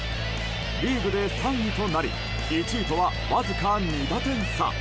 リーグで３位となり１位とは、わずか２打点差。